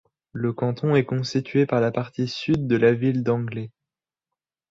Le canton est constitué par la partie sud de la Ville d'Anglet.